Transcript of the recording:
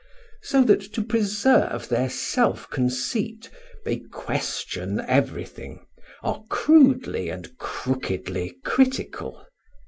So that to preserve their self conceit they question everything, are crudely and crookedly critical.